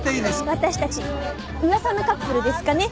私たち噂のカップルですかね。